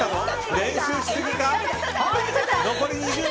練習のしすぎか？